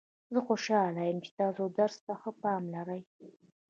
زه خوشحاله یم چې تاسو درس ته ښه پام لرئ